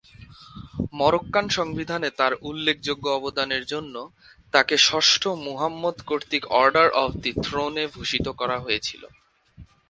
Moroccan সংবিধানে তার উল্লেখযোগ্য অবদানের জন্য, তাকে ষষ্ঠ মুহাম্মদ কর্তৃক অর্ডার অফ দি থ্রোন-এ ভূষিত করা হয়েছিল।